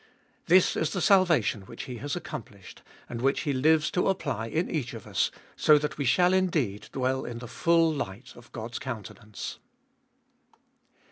This is the salvation which He has accomplished, and which He lives to apply in each of us, so that we shall indeed dwell in the full light of God's countenance.